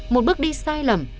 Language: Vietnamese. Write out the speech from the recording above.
một bước đi sai lầm